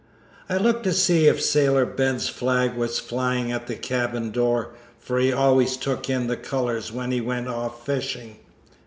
I looked to see if Sailor Ben's flag was flying at the cabin door, for he always took in the colors when he went off fishing.